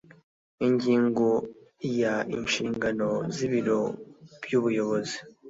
ingingo ya inshingano z ibiro by ubuyobozi